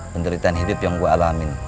penderitaan hidup yang gue alamin